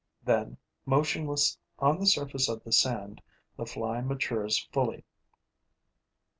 Then, motionless on the surface of the sand, the fly matures fully.